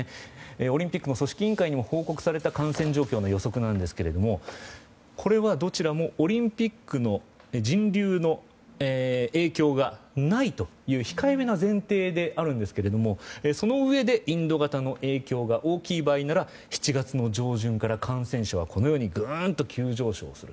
オリンピックの組織委員会にも報告された感染状況の予測なんですがこれは、どちらもオリンピックの人流の影響がないという控えめな前提なんですがそのうえでインド型の影響が大きい場合なら７月の上旬から感染者はグーンと急上昇する。